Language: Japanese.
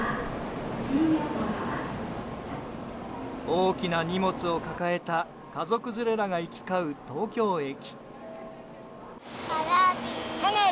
大きな荷物を抱えた家族連れらが行き交う東京駅。